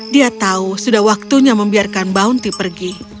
dia tahu sudah waktunya membiarkan bounty pergi